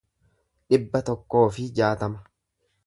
dhibba tokkoo fi jaatama